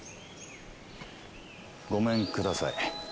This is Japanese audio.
ごめんください。